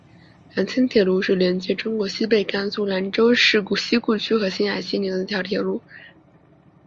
兰青铁路是连接中国西北甘肃兰州市西固区和青海西宁的一条铁路。